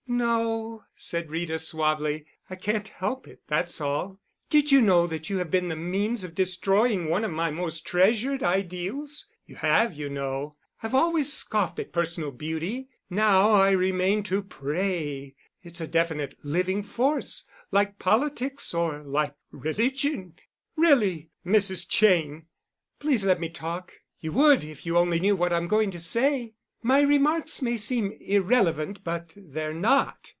"No," said Rita suavely. "I can't help it—that's all. Did you know that you have been the means of destroying one of my most treasured ideals? You have, you know. I've always scoffed at personal beauty—now I remain to pray. It's a definite living force—like politics—or like religion." "Really, Mrs. Cheyne——!" "Please let me talk—you would if you only knew what I'm going to say. My remarks may seem irrelevant, but they're not.